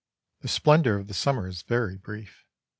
The splendor of the summer is very brief.